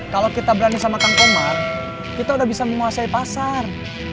kalau kita berani sama kang komar kita udah bisa menguasai pasar